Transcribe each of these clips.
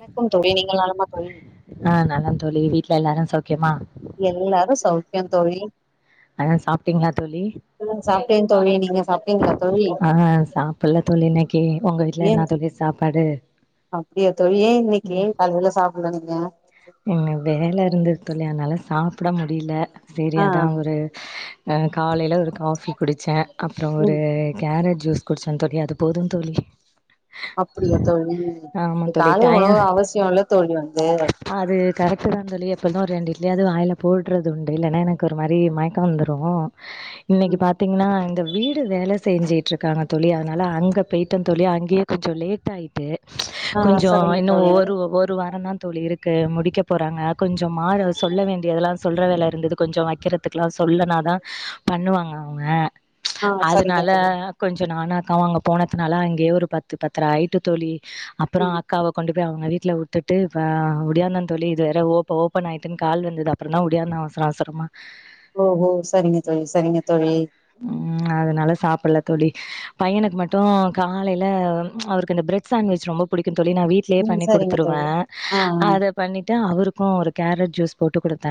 ணக்கம் தோழி நீங்க நலமா தோழி ஆ நலம் தோழி வீட்ல எல்லாரு சௌ எல்லாரு சௌக்கியோ தோழி ஆ சாப்பிட்டீங்களா தோழி சாப்ட்டேன் தோழி நீங்க சாப்ட்டீங்களா தோழி ஆ சாப்பில தோழி இன்னைக்கு உங்க வீட்ல ஏன் என்ன தோழி சாப்பாடு அப்டியா ம் யா இங்க வேல இருந்தது தோழி அதனால சாப் ப்பட முடியல சேரி ஆ அதா ஒரு அ காலையில ஒரு காஃபி குடிச்சே அப்புறோ ஒரு ம் கேரட் ஜூஸ் குடிச்சோ தோழி அது போது தோழி அப்பிடியா தோழி ஆமா தோழி காலை உணவு டய அவசியோ இல்ல தோழி வந்து அது கரெட்டுதா தோழி எப்போது ஒரு ரெண்டு இட்டிலியாது வாயில போடறது உண்டு இல்லன்னா எனக்கு ஒரு மாரி மயக்கோ வந்துரு இன்னிக்கு பாத்தீங்கன்னா இந்த வீடு வேல செஞ்சுட்டுருக்காங்க தோழி அதனால அங்க போய்ட்ட தோழி அங்கேயே கொஞ்சோ லேட் ஆயிட்டு ஆ கொஞ்சோ சரிங்க இன்னு தோழி ஒரு ஒரு வாரதா தோழி தோழி இருக் முடிக்க போறாங்க கொஞ்ச மாற சொல்ல வேண்டியதெல்லா சொல்ற வேல இருந்தது கொஞ்ச வைக்கறதுக்கெல்லா சொல்லனாதா பண்ணுவாங்க அவுங்க ஆ சரிங்க அதனால தோழி கொஞ்ச நானா அவுங்ங அங்கே போனதுனால அங்கேயே ஒரு பத்து பத்தர ஆய்ட்டு தோழி அப்பறோ ம் அக்காவ கொண்டு போய் அவுங்க வீட்ல விட்டுட்டு ஓடியாந்த தோழி இது வேற ஓ ஓபன் ஆயிட்டுனு கால் வந்தது அப்பற தா ஓடியாந்தே அவசர அவசரமா ஓகோ சரிங்க தோழி சரிங்க தோழி உம் அதனால சாப்டல தோழி பையனுக்கு மட்டு காலேல அவருக்கு அந்த பிரெட் சாண்விச்சு ரொம்ப புடிக்கு தோழி நா வீட்லயே ம் பண்ணி சரிங்க குடுத்துருவே தோழி ஆ ஆ அத பண்ணிட்டு அவருக்கு ஒரு கேரட் ஜூஸ் போட்டுக்குடுத் த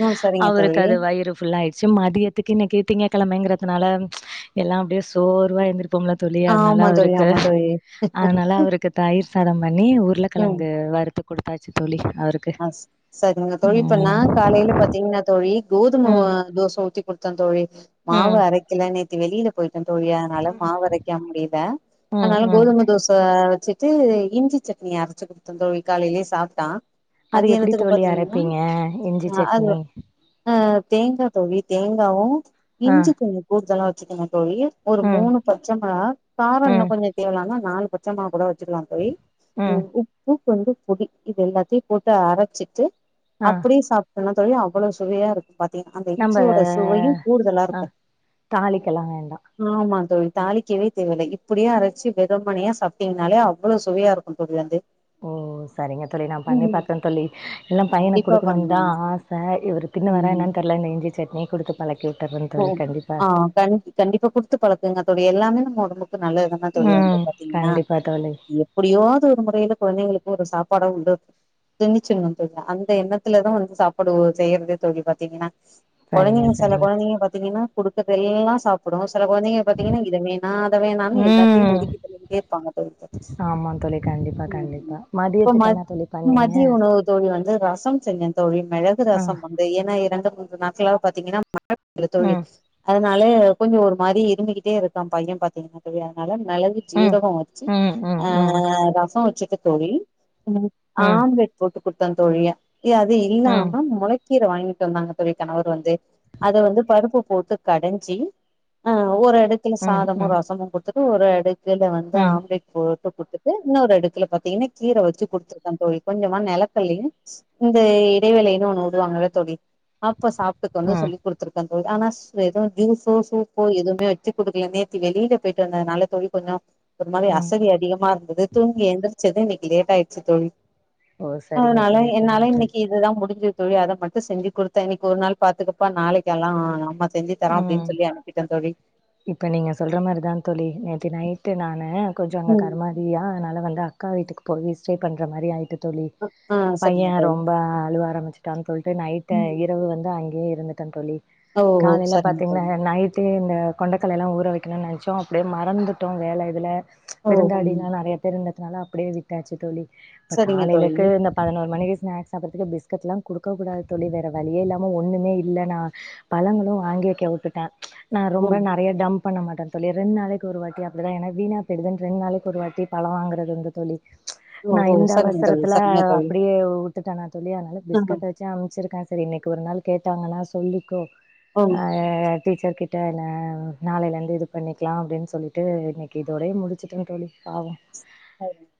ம் சரிங்க அவருக்கு தோழி அது வயிறு ஃபுல் ஆயிடுச்சு மதியத்துக்கு இன்னைக்கு திங்க கிழமைங்கிறது நால எல்லா அப்டியே சோர்வா எந்த ப்போம்லா தோழி அதனால ஆமா தோழி அவருக்கு ஆமா தோழி அதனால அவருக்கு தயிர் சரி [unintelligible] நீ உருளக்கெழங்கு வறுத்து குடுத்து தாச்சு தோழி அவருக்கு. அ செரிங்க தோழி இப்ப நா ம். காலேயில பாத்தீங்னா தோழி கோதும வ ம். தோச ஊத்தி குடுத்தே தோழி மாவு ம். அரைக்கல நேத்து வெளில போய் தோழி அதனால மாவரைக்க முடியல ம். அதனால ம். கோதும தோச சிட்டு இஞ்சி சட்னி அரச்சு குடுத்த தோழி காலேலியே சாப்டா அது எப்டி தோழி அரைப்பீங்க இஞ்சி ஆ அது சட்னி ஆ தேங்கா தோழி தேங்காவு ஆ இஞ்சி கொஞ்ஜோ கூடுதலா வச்சுகனு தோழி ஒரு ம் மூனு பச்ச மெளகா காரோ இன்ன ம் கொஞ்சோ தேவலானா நாலு பச்சமொளகா கூட வெ வச்சுக்கலா தோழி ம் உம் உப்பு வந்து புடி இது எல்லா- சுத்தி போட்டு அரச்சிட்டு ஆ அப்டி சாப் என்ன தோழி அவ்ளோ சுவையா இருக் பாத்தீங்க அந்த நம்ப இஞ்சியோட சுவையு கூடுதலா ஆ இருக்கும் தாளிக்கலா வேண்டா ஆமா தோழி தாளிக்கவே தேவயில்ல இப்டியே அரச்சி வெறுமனே சாப்டிங்கனாலே அவ்ளோ சுவையா இருக்கும் தோழி வந்து ஓ செரிங்க தோழி நா பண்ணி பாத்தன் தோழி எல்லாம் பையனுக்கு கண்டிப்பா கொடுக்கணுன்னு பண்ணுங்க தான் ஆச இவரு தின்னு வாரா ம் என்னான்னு தெர்ல இந்த இஞ்சி சட்னி குடுத்து பழக்கி உட்டறன் ஓ தோழி கண்டிப்பா ஆ கண் ஒடம்புக் கு நல்லது தான தோழி வந்து ம் பாத்தீங்கினா கண்டிப்பா தோழி எப்டியோவது ஒரு முறையில கொழந்தைங்களுக்கு ஒரு சாப் படம் உண்டு திந்துருச்சினு தோழி அந்த எண்ணத்துலதா வந்து சாப்பாடு ஓ செய்யறதே தோழி பாத்தீங்கினா சரிங்க கொழந்தைங்க செல சரிங்க கொழந்தைங்க பாத்தீங்கின்னா குடுக்கற்தெல்லா சாப்டும் செல கொழந்தைங்க பாத்தீங்கினா இத வேணா அத வேணானு எல்லாத்தயும் ம் ஒதுக்கி தள்ளிகிட்டே இருப்பாங்க தோழி பாத்துட்டு ஆமா தோழி கண்டிப்பா ம் ம் கண்டிப்பா இப்போ ம மதியத்துக்கு என்ன தோழி பண்ணீங்க மதிய உணவு தோழி வந்து ரசம் செஞ்சேன் தோழி மெளகு ஆ ரசம் வந்து ஏன்னா இறந்த கொஞ்ச நாட்களாவே பாத்தீங்கினா மழ [inaudible] தோழி ம் அத னாலே கொஞ்சம் ஒரு மாரி இருமிகிட்டே இருக்கான் பையன் பாத்தீங்கனா தோழி அதனால மெளகு ம் ஜீரகம் வச்சி ம் ம் ஆ ம் ரசம் வச்சி த்த தோழி ம் ம் ஆம்லேட் போட்டு குடுத்தன் தோழிய ஏ அது ம் இல்லாம மொளை கீர வாங்கிட்டு வந்தாங்க தோழி கணவர் வந்து அத வந்து பருப்பு போட்டு கடஞ்சி ஆ ஒரு எடத்துல ம் சாதமும் ம் ரசமும் கொ த்துரு ஒரு எட த்துல வந்து ம் ஆம்லேட் போட் டு குத்துட்டு இன்னொரு அடுக்குல பாத்தீங்கன்னா கீர வச்சி குடுத்து டன் தோழி கொஞ்சமா நெல கல்லயும் இந்த இடைவேளைன்னு ஒண்ணு உடுவாங்க இல்ல தோழி அப்ப சாப்ட்டக்கு வந்து ம் சொல்லி் குடுத்துருக்கன் ஓ ஆனா ஸ் எதுவும் ஜூசோ சூப்போ எதுவுமே வச்சி குடுக்கல நேத்து வெளியில போயிட்டு வந்ததுனால தோழி கொஞ்சம் ஒரு மாரி ம் அசதி அதிகமா இருந்தது தூங்கி எந்தரிச்சது இன்னிக் லேட்டா ஆயிருச்சி தோழி ஓ சரிங்க அதனால தோழி சரிங்க என்னால தோழி இன்னைக்கு இதுதா முடிஞ்ச தோழி அத மட்டும் செஞ்சி குடுத்த இன்னைக்கு ஒரு நாள் பாத்துக்கப்பா நாளைக்கு எல்லாம் ஆ அம்மா செஞ்சு தரோ ம் அப்டின்னு சொல்லி அனுப்பிட்டே தோழி இப்ப நீங்க சொல்ற மாரிதா தோழி நேத்து நைட்டு நானு கொஞ்சம் அங்க ம் கருமாதியா அதனால வல் ல அக்கா வீட்டுக்கு போயி ஸ்டே பண்ற மாரி ஆயிட்டு தோழி ஆ சரிங்க பையன் தோழி ரொம்ப அழுவ ஆரம்பிச்சிட்டான்னு சொல்ட்டு நைட்டு ம் இரவு வந்து அங்கே இருத்துட்டன் தோழி ஓ ஓ காலையில சரிங்க தோழி பாத்தீங்கன்னா நைட்டே இந்த கொண்டக்கல்லலா ஊற வைக்கணும்னு நெனச்சோம் அப்டே மறந்துட்டோம் வேல இதுல ஓ ம் விருந்தாளிலா நெறையா பேர் இருந்த தனால அப்டே விட்டாச்சி தோழி இப்ப சரிங்க தோழி காலையிலக்கு இந்த பதினோரு மணிக்கு ஸ்நாக்ஸ் சாப்பறதுக்கே பிஸ்கெட்லாம் குடுக்ககூடாது தோழி வேற வழியே இல்லாம ஒண்ணுமே இல்ல நா பழங்கள் ளும் வாங்கி வைக்க உட்டுட்ட நா ரொம்ப ம் நறையா டம்ப் பண்ண மாட்ட தோழி ரெண் நாளைக்கு ஒருவாட்டி அப்டிதா ஏனா வீணா பேயிடுதுன்னு ரெண் நாளைக்கு ஒருவாட்டி பழம் வாங்கறதுண்டு தோழி ஓ நா ஓ இந்த சரிங்க தோழி அவசரத்துல சரிங்க தோழி அப்டியே உட்டுட்டனா தோழி அதனால பிஸ்கட் வச்சி அம்ச்சிருக்க சரி இன்னைக்கு ஒரு நாளு கேட்டாங்கனா சொல்லிக்கோ ஆ டீச்சர் கிட்ட என்ன நாளயிலிருந்து இது பண்ணிக்கலா அப்டின் சொல்லிட்டு இன்னைக்கு இதோட முடிச்சிட்டன் தோழி பாவம் [unintelligible]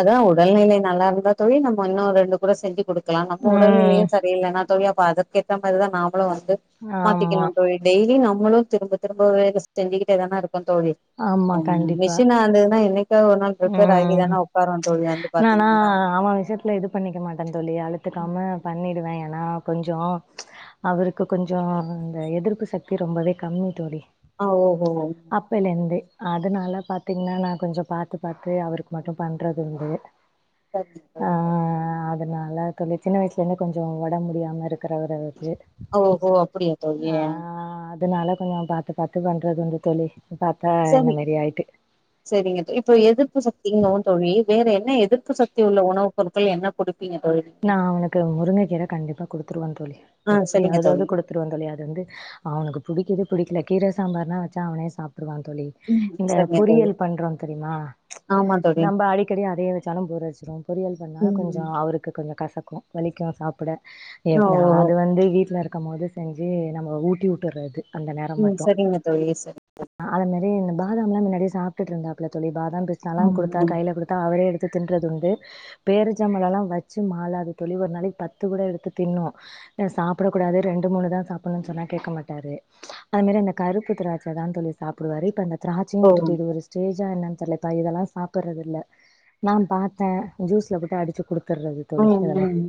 அதான் உடல்நிலை நல்லா இருந்தா தோழி நம்ம இன்னும் ரெண்டு கூட செஞ்சி குடுக் கலாம் நம்ம ம் உடல்நிலையும் சரியில்லன்னா தோழி அப்ப அதுக்கேத் த மாரிதா நாம் பளும் வந்து ஆமா மாத்திக்கிலா தோழி டெய்லி நம் நம்மளும் திரும்ப திரும்ப வேல செஞ்சிக்கிட்டேதான இருக் கோ தோழி ஆமா கண்டிப்பா மிஷினா இருந்ததுன்னா என்னைக் ம் வந்து என்னானா பாத்தீங்கன்னா அவன் விஷியத்துல இது பண்ணிக்க மாட்டன் தோழி அலுத்துக்காம பண்ணிடுவன் ஏன்னா கொஞ்சம் அவருக்கு கொஞ்சம் இந்த எதிர்ப்பு சக்தி ரொம்பவே கம்மி தோழி ஆ ஓஹோ ண்டு அதனால பாத்தீங்கன்னா நா கொஞ்சோ பாத்து பாத்து அவுருக்கு மட்டு பண்றது உண்டு ஆ அதனால [unintelligible] தோழி சின்ன வயசுலருந்து கொஞ்சோ ஒடம்பு முடியாம இருக்கிறவர் அவர் ஓ ஓஹோ அப்பிடியா தோழி அதனாலே கொஞ்சோ பாத்து பாத்து பண்றது உண்டு தோழி பாத்தா என்ன சமி மாரி ஆயிட்டு. சேரிங்க தோ இப்ப எதிர்ப்பு சக்திங்குவு தோழி வேற என்ன எதிர்ப்பு சக்தி உள்ள உணவுப் பொருட்கள் என்ன குடுப் நா அவனுக்கு முருங்க கீர கண்டிப்பா குடுத்துருவ தோழி ஆ சரிங்க எப்பிடியாதாது தோழி குடுத்துருவே தோழி அது வந்து அவனுக்கு புடிக்குது புடிக்கல கீர சாம்பார்னா வச்சா அவனே சாப் ட்ருவா தோழி ம் இந்த சரிங்க தோழி பொறியல் பண்றோ தெரியுமா ஆமா தோழி நம்ம அடிக்கடி அதே வச்சாலு போர் அடிச்சிடு பொறியல் பண்ணா ம் கொஞ்சோ அவுருக்கு கொஞ்சோ கசக்கு வலிக்கு சாப் பிட ஓ எப்பிடி அது வந்து வீட்ல இருக் க்கு போது செஞ்சி நம்ம ஊட்டிவுட்டுறது அந்த நேரம் ம் மட்டு சரிங்க தோழி சரி ஆத மேரி இந்த பாதம்ல்லா மின்னாடியே சாப் சாப்புட்டு இருந்தாப்பில தோழி பாதம் பிஸ்தால ம் குடுத்தா ம் கையில் குடுத்தா அவரே எடுத் த் தின்றதுண்டு பேரிச்ச பழலெல்லா வச் ச்சி மாளது தோழி ஒரு நாளைக்கு பத்து கூட எடுத்து தின்னு சாப்பிடக்கூடாது ரெண்டு மூனுதா சாப்பிணு சொன்னா கேக்கமாட்டாரு அது மேரி அந்த கருப்பு திராட்சதா தோழி சாப்பிடுவாரு இப்ப அந்த திராட்சையு ஓ விட்டுட்டு இது ஒரு ஸ்டேஜா என்ன தல்லிப்பா இதெல்லா சாப்பிடறது இல்ல நா பாத்தே ஜூஸ்ல போட்டு அடிச்சி குடு த்தறது தோழி ம் இதெல்லா ம்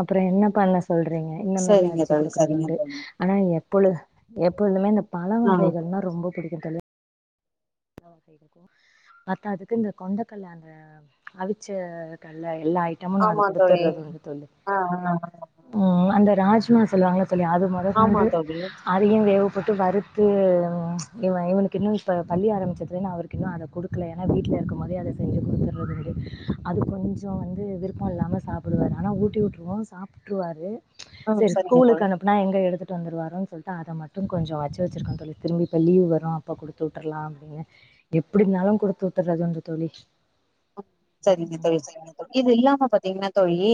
அப்புறோ என்ன பண்ண சொல்றீங்க இந்த மேரி சரிங்க அடிச்சி தோழி குடுக்கறது சரிங்க உண்டு தோழி ஆனா எ பொழு எப்பொழுதுமே இந்த பழ ஆ வகைகள்னா ரொம்ப புடிக்கு தோழி த வகைக்கு பாத்ததுக்கு இந்த கொண்டக்கல்ல அந்த அவிச்ச கல்ல எல்லா ஐய்டமு நா அது ஆமா தோழி குடுத்தரது உண்டு தோழி ஆ ஆ ஆ ம் அந்த ராஜ்மா சொல்வாங்க இல்ல தோழி அது மொத ஆமா சங்கு தோழி அதியு வேவ் போட்டு வறுத்து இவ இவனுக்கு இன்னு ப பள்ளி ஆரம் பட்சத்துலன்னா அவருக்கு இன்னு அத குடுக்கல ஏனா வீட்ல இருக்கம்மோதே அத செஞ்சு குடுத்துர்றது அது கொஞ்சொ வந்து விருப்ப இல்லாம சாப்டுவாரு ஆனா ஊட்டி வுட்ருவோ சாப்ட்ருவாரு ஆ செரி சரிங்க ஸ்கூலுக் தோழி அனுப்புனா எங்க எடுத்து ட்டு வந்துருவாரோன் சொல்ட்டு அதமட்டு கொஞ்சொ வச்சு வச்சுருக்கோ தோழி திரும்பி இப்ப லீவ் வரு அப்ப குடுத்து வுட்ரலா அப்டின்னு எப்புடின்னாலு குடுத்து வுட்டுர்றது வந்து தோழி ம் சரிங்க தோழி சரிங்க தோழி இது இல்லாம பாத்தீங்னா தோழி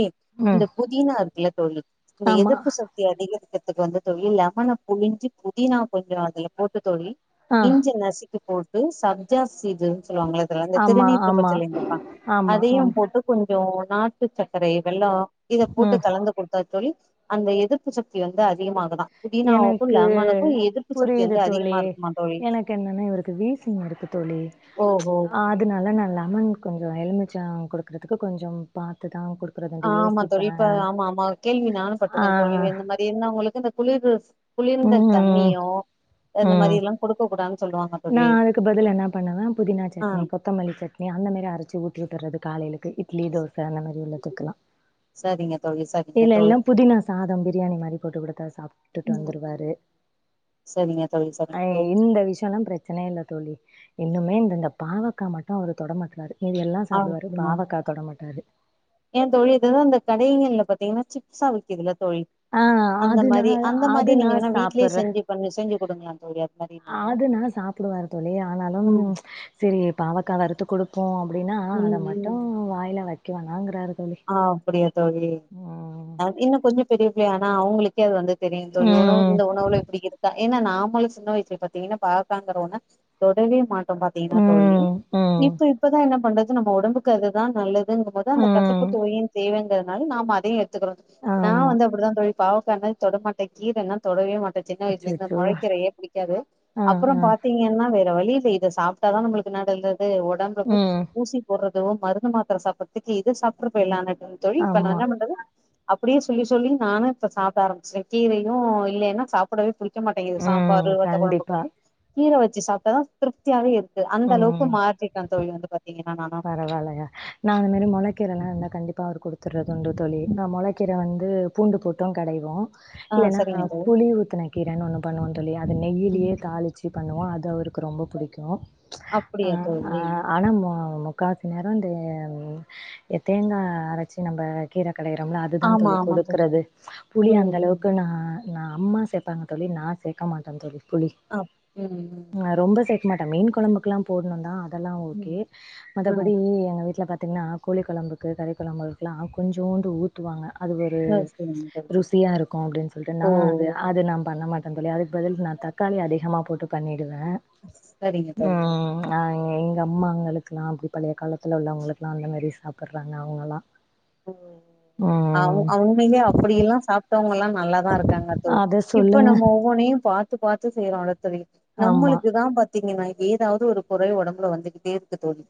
இந்த ம் புதினா இருக்குல தோழி இந்த ஆமாம் எதிர்ப்பு சக்தி அதிகரிக்க ற்துக்கு வந்து தோழி லெமன புழிஞ்சு புதினா கொஞ்சொ அதுல போட்டு தோழி ஆ இஞ்ச நசு க்கி போட்டு சப்ஜா சீடு சொல்வாங்கல அதுல அந்த ஆமாம் திருநீற்று ஆமாம் பச்சலேந்துப்பா ஆமாம் அதையு ஆமாம் போட்டு கொஞ் சோ நாட்டு சக்கரை வெல்லோ இத போட்டு ம் கலந்து குடுத்தா தோழி அந்த எதிர்ப்பு சக்தி வந்து அதிகமாகுதா புதினாவுக்கு எனக்கு லெமனுக்கு எதிர்ப்பு சக்தி புரியிது வந்து தோழி அதிகமா இருக்குமா தோழி எனக்கு என்னன்னா இவருக்கு வீசிங் இருக்கு தோழி ஓஹோ அதுனால நா லெமன் கொஞ்சொ எலுமிச்ச குடுக்றதுக்கு கொஞ்சம் பாத்து ஆமா தோழி இப்ப ஆமாமா கேள்வி நானு ஆ பட்ருக்கே தோழி இந்த மாரி இருந்தவுங்களுக்கு இந்த குளிருஸ் குளிர்ந்த ம் தண்ணியு அ இந்த ம் மாரியெல்லா குடுக்க கூடாது நா அதுக்கு பதில் என்ன பண்ணுவே புதினா ஆ சட்னி கொத்தமல்லி சட்னி அந்த மாரி அரச்சு ஊட்டிவிட்டுர்றது காலைலக்கு இட்லி தோச அந்த மாரி உள்ளத்துக்கலா சரிங்க தோழி சரிங்க தோழி இல்லெல்னா புதினா சாதம் பிரியாணி மாரி போட்டுக்குடுத்தா சாப்டுட்டு ம் வந்துருவாரு சரிங்க தோழி அ சரிங்க தோழி இந்த விஷ் ய பிரச்சனயே இல்ல தோழி இன்னுமே இந்தந்த பாவக்கா மட்டு அவர் தொட மாட்றாரு மீதி எல்லா சாப்டுவாரு பாவக்கா தொட மாட்டாரு ஏ தோழி இததா அந்த கடைங்கள்ல பாத்தீங்கன்னா சிப்ஸா விக்கிதுல தோழி ஆ அந்த அது நா மாரி அந்த அது மாரி நா நீங்க வேணா வீட்லயே செஞ்சு பண்ண செஞ்சு குடுங்ளா‌ தோழி அ ஆடுனா சாப்பிடுவார் தோழி ஆனாலும் ம் சரி பாவக்கா வறுத்து குடுப்போ அப்படின்னா ம் அத ம் மட்டு ம். வாயில வக் க்க வேணாங்கிறாரு ஆ புரியுது தோழி ஆ இன்னு கொஞ்ச பெரிய இ ஆனா அவங்களுக்கே அது வந்து தெரியு தோழி உணவு ம் இந்த உணவுல எப்டி இருக்கா ஏன்னா நாமளு சின்ன வயசல பாத்தீங்கன்னா பாவக்காறோன்ன தொடவே மாட் ப்ற பாத்தீங்கன்னா தோழி ம் ம் இப்ப இப்பதா என்ன பண்றது நம்ம உடம்புக்கு அதுதா நல்லது இருந்தபோது அந்த கசப்பு ம் செய்வைங்கிறதுனால நம்ம அதே எடு த்துகிறோ நா ஆமா வந்து அப்டிதா தோழி பாவக்கனா தொட மாட்டே கீரைன்னா தொடவே மாட் சின்ன வயசுல இருந்து அச்சச்சோ முழைக்கீரையே பிடிக்காது ஆ அப்புற ஆ பாத்தீங்கன்னா வெ வழி சே இதை சாப்பிட்டாதா நம்மளுக்குல்லா நல்லது உ உடம்பு போ ம் ஊசி போடுறது ஒ மருந்து மாத்திர சாப்படுறதுக்கு இத சாப் [unintelligible] க்குர தோழி இப்ப நா ஆமா என்ன பண்றது அப்டியே சொல்லி சொல்லி நானு இப்ப சாப்பிட ஆரம்ச்சிட்டே கீரையு இல்லலைன்னா சாப்பிடவே புடிக் வக்க மாட்டேங்கது ம் சாம்பார் வத்த குழம்புக்கு கண்டிப்பா வந்து கீர வச் வச்சி சாப்ட்டா தா திருப்தியாவே இருக் கு அந்த அளவுக்கு மாத்திக்கிட்டா தோழி வந்து பாத்தீங் பரவாயில்லய நா அந்த மாரி முளைக்கிரலாந்தா கண்டிப்பா அவர்க் குடுத்துறது தண்டு தோழி நா முளைக்கீர வந்து பூண்டு போட்டு கடைவோ ஆ இல்லனா சரிங்க தோழி புளி ஊத்தினாக்கி கீரனு ஒண்ண பண்ணுவோ தோழி அது நெய்யிலயே தாளிச்சு பண்ணுவோ அது அவருக்கு ரொம்ப பிடிக்கு அ அப்டியா அ தோழி ஆனா மோ காசி நேரோ இந்த தேங்கா அரைச்சி நம்ம கீரை கடையிறோம்ல்ல அதுதா ஆமா தோழி ஆமா குடுக்குறது புளி ம் அந்த ம் அளவுக்கு நா நா அம்மா சேப்பாங்க தோழி நா சேக்கமாட்டே தோழி புளி அப் ம் ம் ஆ ரொம்ப சேக் மேட்ட மீன் கொழம்புக்ல்லா போணுதா இதெல்லா ஓகே ம் ஆ மத்தபடி நீய எங்க வீட்ல பாத்திங்கன்னா கோழி கொழம்புக்கு கறி கொழம்புக்கலா கொஞ்சோண்டு ஊத்துவாங்க அது ஒரு ஆ சரிங்க தோழி ருசிய இருக்கு அப்பிடின் சொல்லிட்டு நா ஓ அது ஓ. அது நா பண்ண மாட் ஆ தோழி அதுக் பதில் நா தக்காளி அதிகமா போட்டு பண்ணிடுவே சரிங்க தோழி ம் அ எங்க அம்மாங்களுக்கு நா அப் பழைய காலத் துல உள்ளவங்களுக்குலா அந்த மாரி சாப் ப்புறாங்க அவுங்களா அவு அவுங்க ஏ அப்பிடி எல்லா சாப்பிட்டவங்கெல்லா நல்லாதா இருக்காங்க தோழி அத இப்ப சொல்லுங்க நம்ம ஒவ்வொன்னையு பாத் த்து பாத்து செய்றோல்ல தோழி ஆமா நம்மளுக்குதா பாத்தீங்கனா ஏதாவது ஒரு குறை ஒடம்புல வந்துகிட்டே இருக்கு தோழி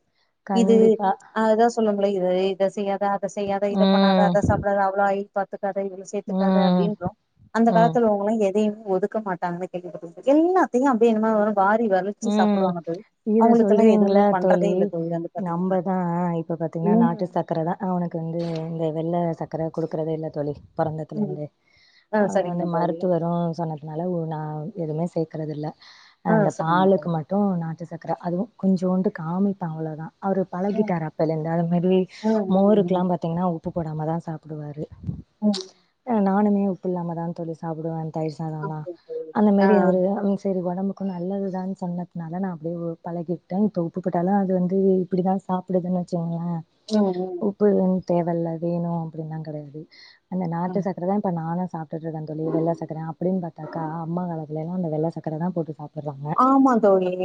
இது கண்டிப்பா அததா சொல்லு குலை இதை இத செய்யாத அத செய்யாத இத பண்ணாத ம் அத சாப்டாத அவ்ளோ ஆயி பாத்து கத இத சேத்துக்காத ம் அப்பிடின்றோ அந்த ம் காலத்துல உங்களா எதையு ஒதுக்க மாட்டாங்கன்னு கேள்விப்பட்ருக்கே எல்லாத்தியு அப்பிடியே என்னம வரு ம் இத அவங்களுக்கெல்லா சொல்றீங்கள எதுவுமே பண்றதே தோழி இல்ல வந்து பாத்தீங்கன்னா நம்மதா இப்ப பாத்தீங்கன்னா நாட்டு ம் சர்க்கரதா அவுனுக் க்கு வந்து இந்த வெள்ள சக்கர குடுக்கறதே இல்ல தோழி பொறந்ததுல ம் இந்தே ஆ அவ சரிங்க வந்து தோழி மருத்துவரு சொன்னதுனால நா எதுமே சேக்கறதில்ல ஆ அந்த சரிங்க பாலுக்கு தோழி மட்டு நாட்டு சக்கர சக்கற அதுவு கொஞ்சோண்டு காமிப்ப அவ்ளோ தா அவரு ம் பழகிட்டார் அப்பலேருந்து அது மாரி ம் ம் ம் மோருக்குல்லா பாத்தீங்கன்னா உப் உப்பு போடாமதா சாப்பிடுவாரு உ நானுமே உப்பு இல்லாம தா தோழி சாப்பிடுவேன் தயிர் சாதம்லா அப்டியா தோழி அந்த ஆ மாரி அவரு ஆம் சேரி ஒடம்புக்கு நல்லது [unintelligible] சொன்னதுனால நா அப்படியே பழகிட்டே இப்ப உப்புபோட்டாலு அது வந்து இப்படித்தா சாப்பிடுதுன்னு வச்சுங்க. ஆ ச் ம் ம் உப்பு தேவல்ல வேணு அப்படின்னுல்லா கடையாது. அந்த நாட்டு ம் சக்கரதா இப்ப நானு. சாப்பிட்டுருக்க தோழி வெள்ள சக்கர அப்படின்னு பாத்தாக்க அம்மா காலெத்லல அந்த வெள்ள சக்கர தா போட்டு சாப்பிட்றாங்க. ஆமா தோழிநீ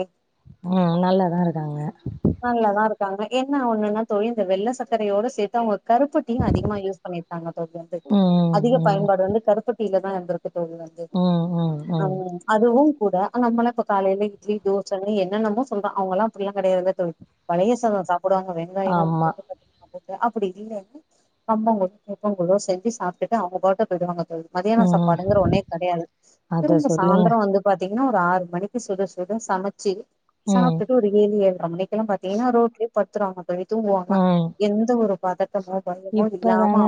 உ நல்லாதா இருக்காங்க. நல்லதா இருக்காங்க என்ன ஒண்ணுன்னா தோழி இந்த வெள்ள சச்கரையோட சேத்து அவங்க. கருப்பட்டியு அதிகமா யூஸ் பண்ணிருக்காங்க தோழி வந்து ம் அதிக ம் பயன்பாடு வந்து கருப்பட் டில தா இந்துருக் க்கு தோழி வந்து ம் ம் ஆ ம் அதுவு கூட நம்ம இப்ப காலைல இட்லி தோசனு என்னன்னமோ சொல்ரோ அவங்க எல்லா அப்படில்லா கடையாது. [unintelligible] பழைய சாதெ சாப் போடுவாங்க வெங்காயோ ஆமா [unintelligible] அப்படி இல்லைன்னு கம்பங்கூலு, [unintelligible] செஞ்சு சாப்பிட்டுட்டு அவங்க பாட்டு போயி்டுவாங்க. மதியான ம் சாப்பாடுங்கற ஒன்னே கடையாது அத திரும்ப சொல்லுங்க சாந்திர வந்து பாத்தீங்க இன்ன ஒரு ஆறு மணிக்கு சுட சுட சமச்சு. ம் சாப்டுட்டு ஒரு ஏழு ஏழ்ர மணிக் பாத்திங்கனா அது ஒருட்டே பத்ராங்க போய் தூங்கு வாங்க எந்த ஒரு பாதட் இப்பதான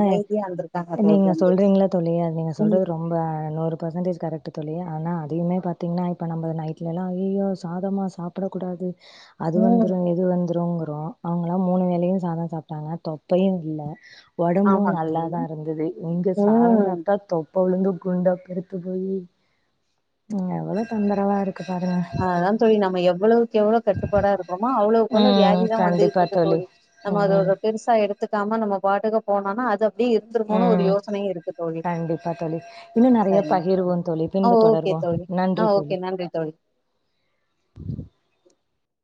இருந்திருக்காங்க தோழி நீங்க வந்து சொல்றீங்கல்ல தோழி நீங்க அது ம் சொல்றது ரொம்ப நூறு பர்சன்டேஜ் கரெக்ட் தோழி. ஆனா அதையுமே பாத்திங்கன்னா இப்ப நம்ம நைட்லெல்லா அய்யயோ சாதமா சாப்பிடக்கூடாது. அது ம் வந்துரு இது வந்துருங்க க்கு அவுங்கலா மூனு வேலையு சாதோ சாப்பிட்டாங்க தொப்பையு இல்ல. [inaudible] ஒடம்பு ஆமா தோழி நல்லாதா இருந்தது இங்க சாதோ ம் சாப்ட்டா தொப் இப்பொழுந்து கொழுத்து குண்டா பெருத்து போயி. இங்க அவ்ளோ தொந்தரவா இருக் அததா தோழி நம்ம எவ்வளவுக்கு எவ்ளோ கட்டுப்பாடா இருக்கோமோ அவ்வளவுக்கவ்ளோ ம் வியாதிதா வந்துகிட்டு கண்டிப்பா இருக்கு தோழி நம்ம ம் அதட பெருசா எடு த்துக்காம நம்ம பாட்டு போனன்னா அத இப்பிடி இருந்துருமோன்னு ஒரு ம் யோசனையு இருக்கு தோழி கண்டிப்பா தோழி இன்னு நெறைய சரிங்க பகிர்வோம் தோழி ஆ பின்பு ஓகே தோழி ஆ ஓகே நன்றி தோழி உம்